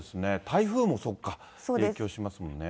台風もそうか、影響しますもんね。